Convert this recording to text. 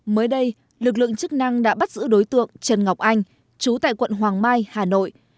mới đây lực lượng chức năng đã bắt giữ đối tượng trần ngọc anh chú tại quận hoàng mai hà nội